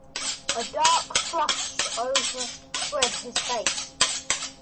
A dark flush overspread his face.